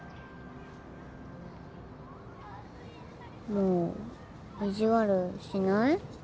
もう意地悪しない？